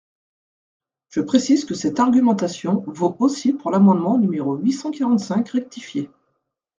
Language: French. Je précise que cette argumentation vaut aussi pour l’amendement numéro huit cent quarante-cinq rectifié.